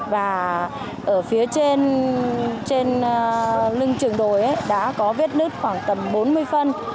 và ở phía trên lưng trường đồi đã có vết nứt khoảng tầm bốn mươi phân